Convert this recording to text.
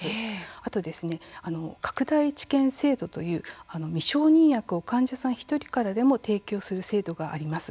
また拡大治験制度という未承認薬を患者さん１人からでも提供する制度があります。